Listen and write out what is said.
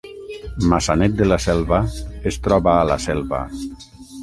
Maçanet de la Selva es troba a la Selva